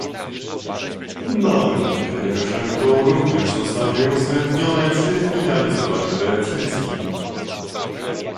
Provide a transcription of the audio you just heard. Mam nadzieję, że to również zostanie uwzględnione przy finalizowaniu decyzji